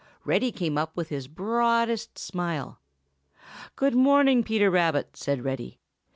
Reddy came up with his broadest smile. "Good morning, Peter Rabbit," said Reddy.